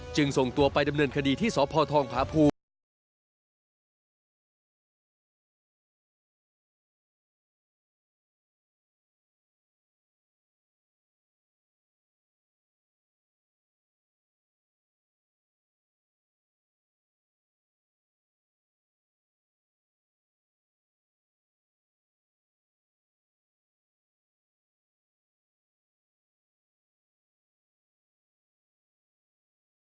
จึงส่งตัวไปดำเนินคดีที่สพทองผาภูมิ